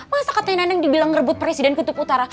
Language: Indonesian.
masa katanya neneng dibilang ngerebut presiden kutub utara